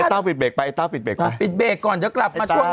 ไม่ต้องพิบเตรียมไปน้างต้าพิบเตรียมก่อนเหลือกลับมาช่วงหน้า